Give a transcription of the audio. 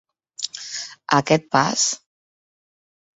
A aquest pas.